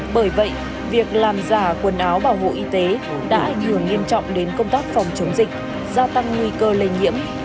bởi vậy việc làm giả quần áo bảo hộ y tế đã ảnh hưởng nghiêm trọng đến công tác phòng chống dịch gia tăng nguy cơ lây nhiễm